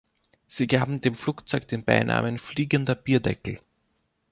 Sie gaben dem Flugzeug den Beinamen „Fliegender Bierdeckel“.